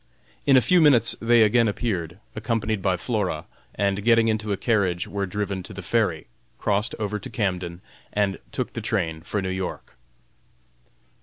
In a few minutes they again appeared, accompanied by Flora, and getting into a carriage were driven to the ferry, crossed over to Camden, and took the train for New York.